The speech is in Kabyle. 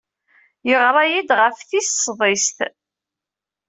Yeɣra-iyi-d ɣef tis sḍiset.